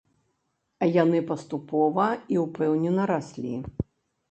А яны паступова і ўпэўнена раслі.